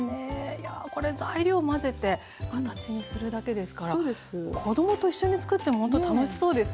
いやこれ材料混ぜて形にするだけですから子供と一緒につくっても本当楽しそうですね。